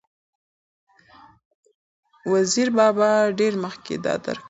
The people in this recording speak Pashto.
وزیر بابا ډېر مخکې دا درک کړې وه،